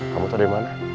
kamu tau dia mana